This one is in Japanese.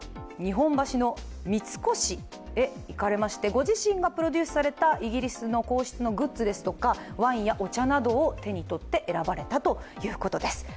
ご自身がプロデュースされたイギリスの皇室のグッズですとかワインやお茶などを手に取って選ばれたということです。